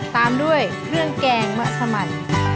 ตามด้วยเครื่องแกงมะสมัน